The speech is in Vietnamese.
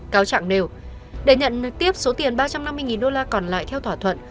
cáo trạng nêu để nhận tiếp số tiền ba trăm năm mươi đô la còn lại theo thỏa thuận